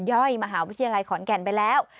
ย่อยมหาวิทยาลัยขอนแก่นไปแล้ว